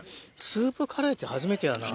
スープカレーって初めてやな。